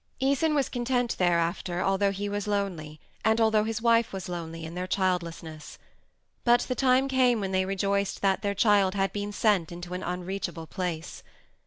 Æson was content thereafter although he was lonely and although his wife was lonely in their childlessness. But the time came when they rejoiced that their child had been sent into an unreachable place.